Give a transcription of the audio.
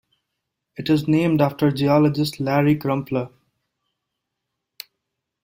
It is named after geologist Larry Crumpler.